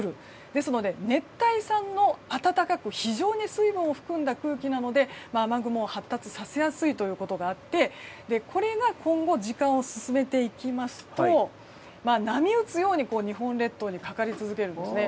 ですので、熱帯産の暖かく非常に水分を含んだ空気なので雨雲を発達させやすいということがあってこれが今後、時間を進めていきますと波打つように日本列島にかかり続けるんですね。